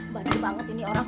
bantu banget ini orang